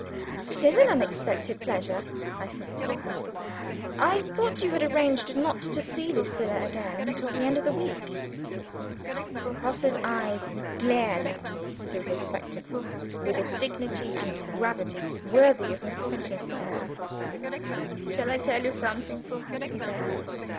"This is an unexpected pleasure," I said. "I thought you had arranged not to see Lucilla again till the end of the week." Grosse's eyes glared at me through his spectacles with a dignity and gravity worthy of Mr. Finch himself. "Shall I tell you something?" he said.